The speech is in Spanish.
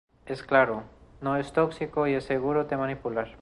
Es claro, no es tóxico y es seguro de manipular.